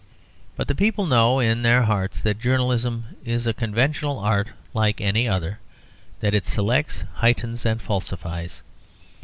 But the, people know in their hearts that journalism is a conventional art like any other, that it selects, heightens, and falsifies.